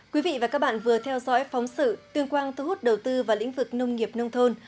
quý vị và các bạn vừa theo dõi phóng sự tuyên quang thu hút đầu tư vào lĩnh vực nông nghiệp nông thôn